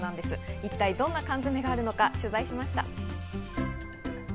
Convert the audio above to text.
一体どんな缶詰があるのか取材しました。